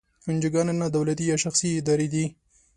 انجوګانې نا دولتي یا شخصي ادارې دي.